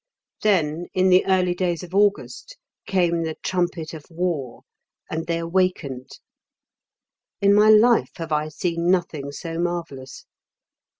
Then, in the early days of August, came the Trumpet of War, and they awakened. In my life have I seen nothing so marvellous.